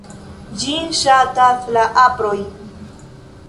Ĝin ŝatas la aproj.